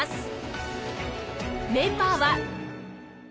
メンバーは。